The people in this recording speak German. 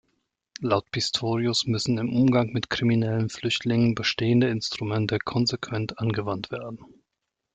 Laut Pistorius müssen im Umgang mit kriminellen Flüchtlingen bestehende Instrumente konsequent angewandt werden.